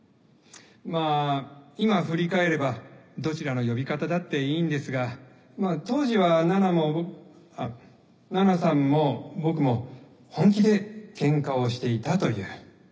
まぁ今振り返ればどちらの呼び方だっていいんですがまぁ当時は菜奈も僕あっ菜奈さんも僕も本気でケンカをしていたという。